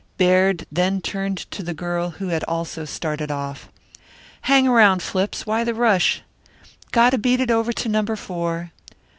Baird then turned to the girl, who had also started off. "Hang around, Flips. Why the rush?" "Got to beat it over to Number Four."